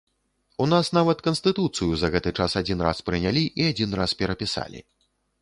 У нас нават канстытуцыю за гэты час адзін раз прынялі і адзін раз перапісалі.